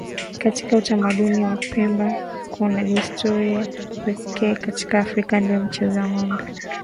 Katika utamaduni wa Pemba kuna desturi ya kipekee katika Afrika ndiyo mchezo wa ngombe